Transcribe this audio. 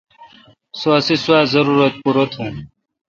سو اسی سوا زارورت پورہ تھو۔